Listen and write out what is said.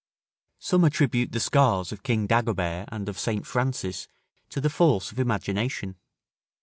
Some attribute the scars of King Dagobert and of St. Francis to the force of imagination.